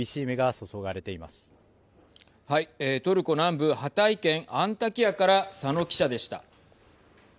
トルコ南部ハタイ県アンタキアから佐野記者でした。